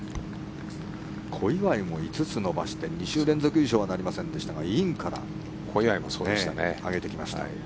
小祝も５つ伸ばして２週連続優勝なりませんでしたがインから上げてきました。